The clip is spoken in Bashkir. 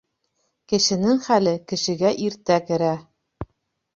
Кешенең хәле кешегә иртә керә